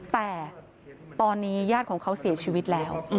แต่ตอนนี้ญาติของเขาเสียชีวิตแล้ว